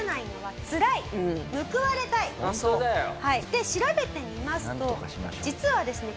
で調べてみますと実はですね